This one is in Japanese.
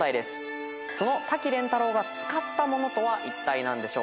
その滝廉太郎が使ったものとはいったい何でしょう？